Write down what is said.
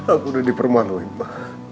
aku udah dipermalui ma